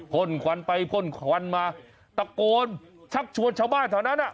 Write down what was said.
พ่นควันไปพ่นควันมาตะโกนชักชวนชาวบ้านเท่านั้น